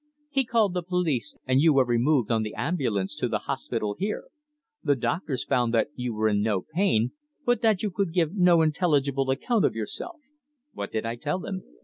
He called the police and you were removed on the ambulance to the hospital here. The doctors found that you were in no pain, but that you could give no intelligible account of yourself." "What did I tell them?"